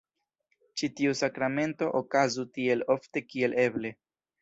Ĉi tiu sakramento okazu tiel ofte kiel eble.